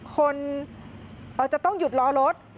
คนเราจะต้องหยุดรอรถ